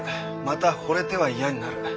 またほれては嫌になる。